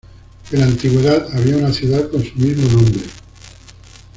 En la Antigüedad, había una ciudad con su mismo nombre.